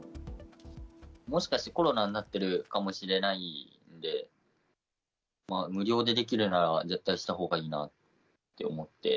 もしかしてコロナになってるかもしれないんで、無料でできるなら絶対したほうがいいなって思って。